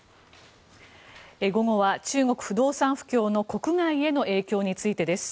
午後は中国不動産不況の国外への影響についてです。